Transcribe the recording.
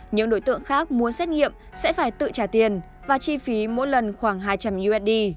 những đối tượng khác muốn xét nghiệm sẽ phải tự trả tiền và chi phí mỗi lần khoảng hai trăm linh usd